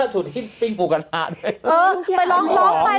สูตรผิงหมูกระทะเลย